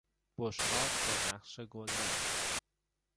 بشقاب با نقش گلدار